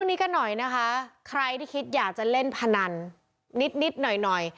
นี้กันหน่อยนะคะใครที่คิดอยากจะเล่นพนันนิดนิดหน่อยหน่อย